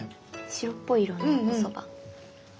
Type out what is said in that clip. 白っぽい色のおそば。